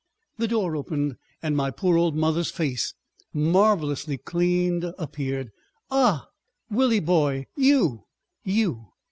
The door opened and my poor old mother's face, marvelously cleaned, appeared. "Ah, Willie, boy! You. You!"